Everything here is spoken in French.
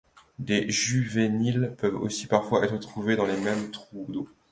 Des juvéniles peuvent aussi parfois être trouvés dans les mêmes trous d'eau.